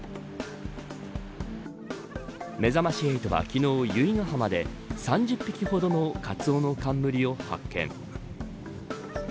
めざまし８は、昨日、由比ヶ浜で３０匹ほどのカツオノカンムリを発見。